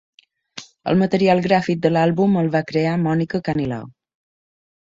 El material gràfic de l'àlbum el va crear Mònica Canilao.